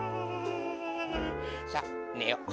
さあねよう。